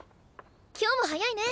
今日も早いね。